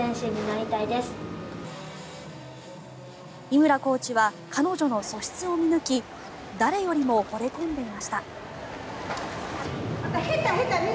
井村コーチは彼女の素質を見抜き誰よりもほれ込んでいました。